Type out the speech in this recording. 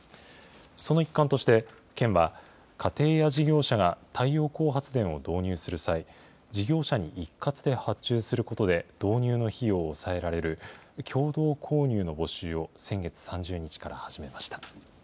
その一環として、県は、家庭や事業者が太陽光発電を導入する際、事業者に一括で発注することで、導入の費用を抑えられる、共同購入の募集を先月３０日から始めました。